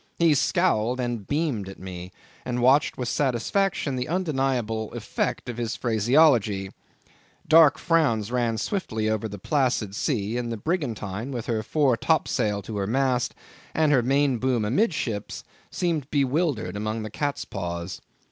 He scowled and beamed at me, and watched with satisfaction the undeniable effect of his phraseology. Dark frowns ran swiftly over the placid sea, and the brigantine, with her fore topsail to the mast and her main boom amidships, seemed bewildered amongst the cat's paws.